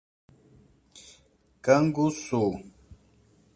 Canguçu